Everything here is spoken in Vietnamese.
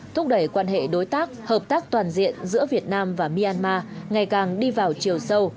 thúc đẩy quan hệ đối tác hợp tác toàn diện giữa việt nam và myanmar ngày càng đi vào chiều sâu